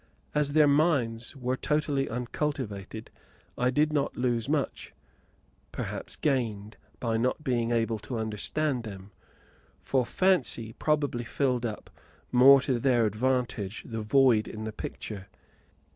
As their minds were totally uncultivated I did not lose much, perhaps gained, by not being able to understand them; for fancy probably filled up, more to their advantage, the void in the picture.